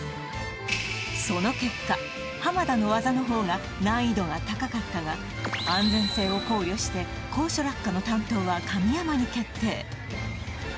その結果田の技の方が難易度が高かったが安全性を考慮して高所落下の担当は神山に決定